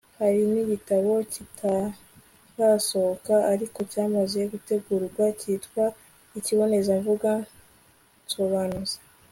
hari n'igitabo kitarasohoka ariko cyamaze gutegurwa kitwa ikibonezamvugo nsobanuzi